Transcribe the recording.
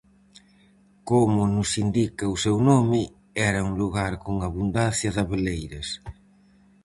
Como nos indica o seu nome, era un lugar con abundancia de Abeleiras.